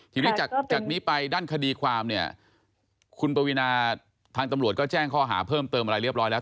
ทีนี้จากนี้ไปด้านคดีความเนี่ยคุณปวีนาทางตำรวจก็แจ้งข้อหาเพิ่มเติมอะไรเรียบร้อยแล้ว